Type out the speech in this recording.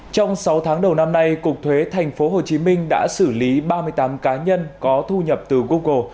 trong sáu tháng đầu năm nay cục thuế tp hcm đã xử lý ba mươi tám cá nhân có thu nhập từ google